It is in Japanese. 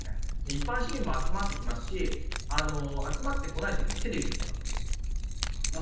一般市民も集まってきますし、集まってこないときもテレビ見てますね。